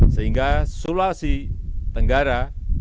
sehingga sulasi tenggara